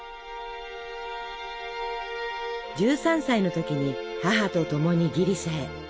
１３歳の時に母と共にギリシャへ。